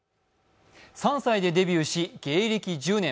３歳でデビューし、芸歴１０年。